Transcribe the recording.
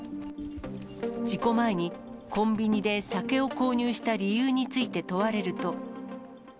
事故前に、コンビニで酒を購入した理由について問われると。